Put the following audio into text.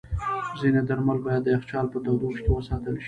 ځینې درمل باید د یخچال په تودوخه کې وساتل شي.